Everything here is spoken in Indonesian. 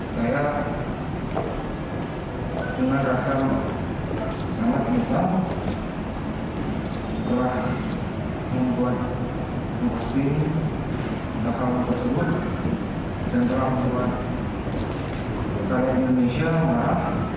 selain membuat postingan tersebut dan telah membuat rakyat indonesia marah